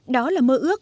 đó là mơ ước